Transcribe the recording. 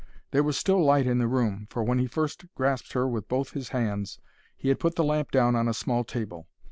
There was still light in the room, for when he first grasped her with both his hands, he had put the lamp down on a small table.